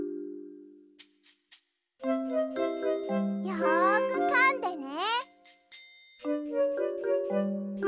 よくかんでね。